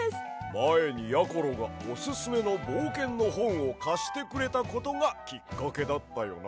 まえにやころがおすすめのぼうけんのほんをかしてくれたことがきっかけだったよな。